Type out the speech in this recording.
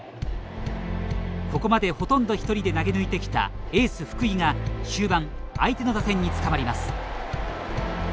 ここまでほとんど一人で投げ抜いてきたエース福井が終盤相手の打線につかまります。